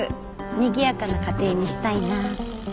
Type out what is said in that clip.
にぎやかな家庭にしたいなぁって。